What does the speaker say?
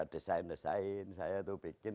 desain desain saya itu bikin